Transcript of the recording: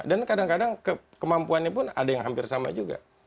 dan kadang kadang kemampuannya pun ada yang hampir sama juga